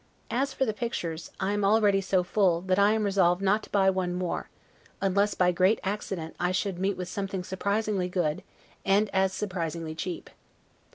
As for the pictures, I am already so full, that I am resolved not to buy one more, unless by great accident I should meet with something surprisingly good, and as surprisingly cheap.